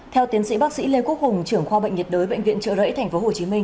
theo tiến sĩ bác sĩ lê quốc hùng trưởng khoa bệnh nhiệt đới bệnh viện trợ rẫy tp hcm